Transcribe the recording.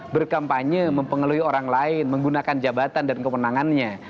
berkampanye mempengeluhi orang lain menggunakan jabatan dan kemenangannya